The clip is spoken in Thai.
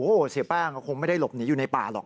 โอ้โหเสียแป้งก็คงไม่ได้หลบหนีอยู่ในป่าหรอก